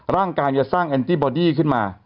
ร่างกายจะสร้างแอนตี้บอดี้ขึ้นมา